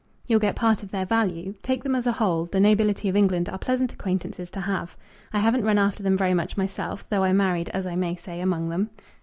"You'll get part of their value. Take them as a whole, the nobility of England are pleasant acquaintances to have. I haven't run after them very much myself, though I married, as I may say, among them.